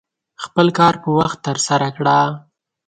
خپل کار په وخت ترسره کړه.